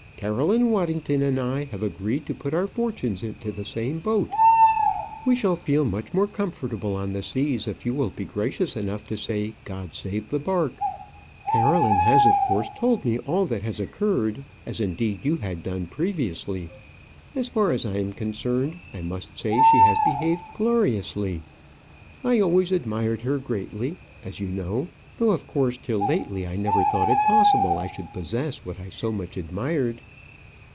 Caroline Waddington and I have agreed to put our fortunes into the same boat. We shall feel much more comfortable on the seas if you will be gracious enough to say, "God save the bark." Caroline has of course told me all that has occurred; as, indeed, you had done previously. As far as I am concerned, I must say she has behaved gloriously. I always admired her greatly, as you know; though of course till lately I never thought it possible I should possess what I so much admired.